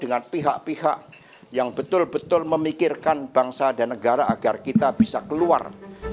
dengan pihak pihak yang betul betul memikirkan bangsa dan negara agar kita bisa keluar